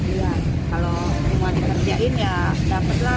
iya kalau cuma dikerjain ya dapatlah